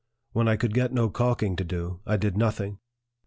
When I could get no calking to do, I did nothing.